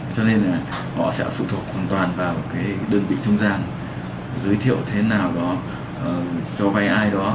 cho nên là họ sẽ phụ thuộc hoàn toàn vào cái đơn vị trung gian giới thiệu thế nào đó cho vay ai đó